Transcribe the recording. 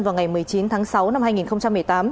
vào ngày một mươi chín tháng sáu năm hai nghìn một mươi tám